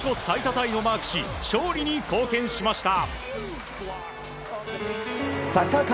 タイをマークし勝利に貢献しました。